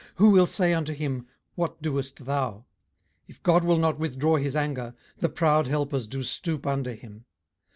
who will say unto him, What doest thou? 18:009:013 If God will not withdraw his anger, the proud helpers do stoop under him.